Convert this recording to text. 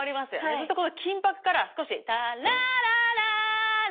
ずっとこの緊迫から少し「タラララーララ」